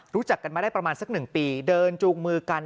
รู้จักกันมาได้ประมาณสัก๑ปีเดินจูงมือกัน